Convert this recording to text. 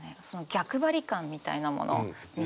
逆張り感みたいなもの三島の。